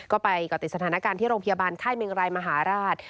ก็ไปกับติดสถานการณ์ที่โรงพยาบาลไข่มิงรายมหาลาศ